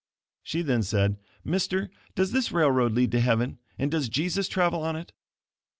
She then said, "Mister, does this railroad lead to heaven, and does Jesus travel on it?"